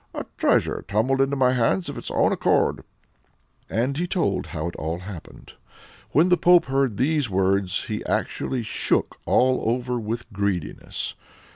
A treasure tumbled into my hands of its own accord." And he told him how it all happened. When the pope heard these words he actually shook all over with greediness.